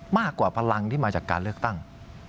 พลังที่มาจากการเลือกตั้ง